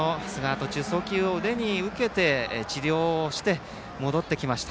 途中、送球を腕に受けて治療して戻ってきました。